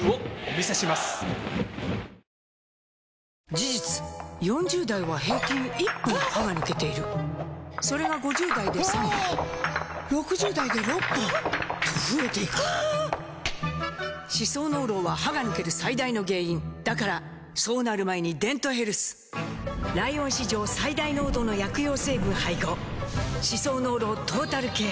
事実４０代は平均１本歯が抜けているそれが５０代で３本６０代で６本と増えていく歯槽膿漏は歯が抜ける最大の原因だからそうなる前に「デントヘルス」ライオン史上最大濃度の薬用成分配合歯槽膿漏トータルケア！